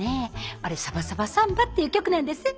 あれ「サバサバサンバ」っていう曲なんです。